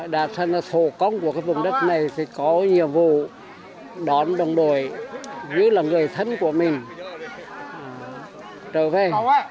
đã thành ra sổ cong của vùng đất này thì có nhiệm vụ đón đồng đội như là người thân của mình trở về